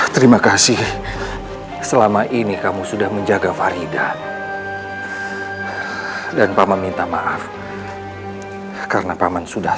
terima kasih selama ini kamu sudah menjaga farida dan paman minta maaf karena paman sudah